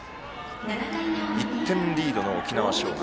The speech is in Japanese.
１点リードの沖縄尚学。